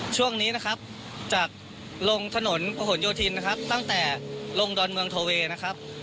ช่วงนี้นะครับจากลงถนนพระหลโยธินนะครับตั้งแต่ลงดอนเมืองโทเวย์นะครับ